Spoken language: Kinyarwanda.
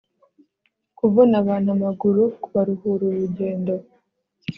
kuvuna abantu amaguru kubaruhura urugendo